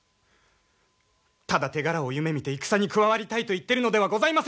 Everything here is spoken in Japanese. ただ手柄を夢みて戦に加わりたいと言ってるのではございませぬ！